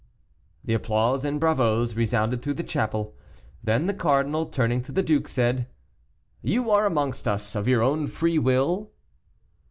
The applause and bravos resounded through the chapel. Then the cardinal, turning to the duke, said: "You are amongst us of your own free will?"